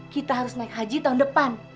kita harus naik haji tahun depan